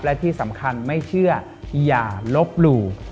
และที่สำคัญไม่เชื่ออย่าลบหลู่